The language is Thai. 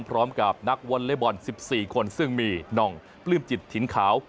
พร้อมกับนักวอลเล็บอล๑๔คนซึ่งมีน่องปลื้มจิตถิ่นขาว